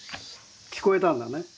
聞こえたんだね。